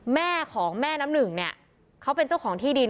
แม่ของแม่น้ำหนึ่งเนี่ยเขาเป็นเจ้าของที่ดิน